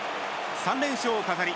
３連勝を飾り